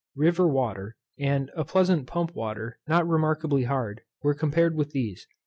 River water, and a pleasant pump water not remarkably hard, were compared with these.